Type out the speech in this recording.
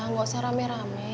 gak usah rame rame